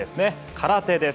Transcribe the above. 空手です。